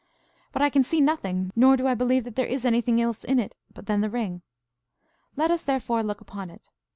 But I can see nothing, nor do I believe that there is anything else in it than the ring. Let us, therefore, look upon it.